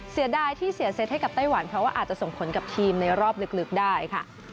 เสียดายที่เสียเซตให้กับไต้หวันเพราะว่าอาจจะส่งผลกับทีมในรอบลึกได้ค่ะ